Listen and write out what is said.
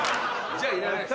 じゃあいらないです。